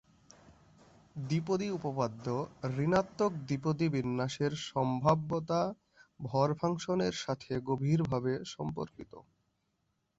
দ্বিপদী উপপাদ্য, ঋণাত্মক দ্বিপদী বিন্যাসের সম্ভাব্যতা ভর ফাংশনের সাথে গভীরভাবে সম্পর্কিত।